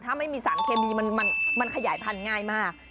ถ้าไม่มีสารเคมีมันขยายพันธุ์ง่ายมาก